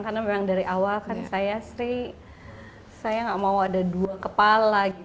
saya tidak mau ada dua kepala